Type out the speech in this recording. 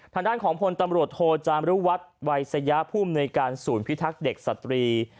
ทางด้านของผลตำรวจโทรจารุวัฒน์วัยสยภูมิในการสูญพิทักษ์เด็กสตรี